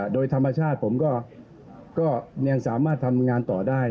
โดยธรรมชาติผมก็ยังสามารถทำงานต่อได้